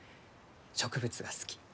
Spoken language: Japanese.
植物が好き。